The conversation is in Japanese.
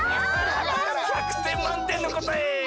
１００てんまんてんのこたえ！